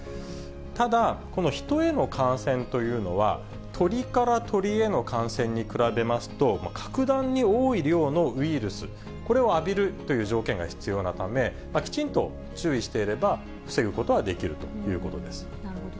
ただ、このヒトへの感染というのは、トリからトリへの感染に比べますと、格段に多い量のウイルス、これを浴びるという条件が必要なため、きちんと注意していれば、なるほど。